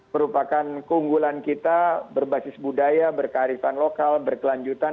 merupakan keunggulan kita berbasis budaya berkearifan lokal berkelanjutan